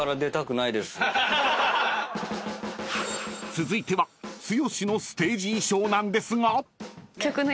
［続いては剛のステージ衣装なんですが］